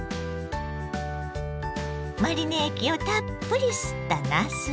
マリネ液をたっぷり吸ったなす。